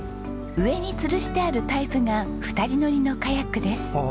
上につるしてあるタイプが２人乗りのカヤックです。